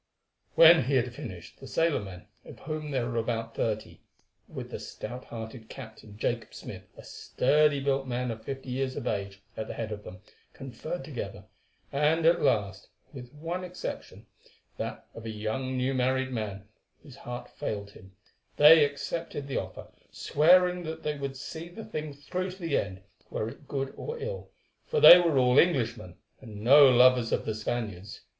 When he had finished, the sailormen, of whom there were about thirty, with the stout hearted captain, Jacob Smith, a sturdy built man of fifty years of age, at the head of them, conferred together, and at last, with one exception—that of a young new married man, whose heart failed him—they accepted the offer, swearing that they would see the thing through to the end, were it good or ill, for they were all Englishmen, and no lovers of the Spaniards.